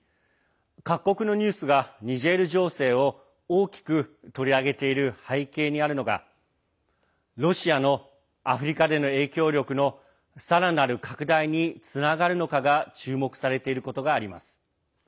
各国のニュースがニジェール情勢を大きく取り上げている背景にあるのがロシアのアフリカでの影響力のさらなる拡大につながるのかが注目されていることがあります。